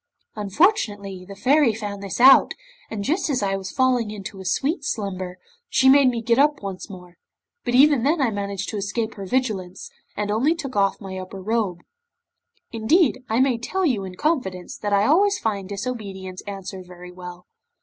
Unfortunately, the Fairy found this out, and just as I was falling into a sweet slumber, she made me get up once more, but even then I managed to escape her vigilance, and only took off my upper robe. Indeed, I may tell you in confidence, that I always find disobedience answer very well.